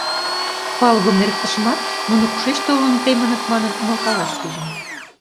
Палубым эрыктышымат, нуно кушеч толын темыныт манын, умылкалаш пижым.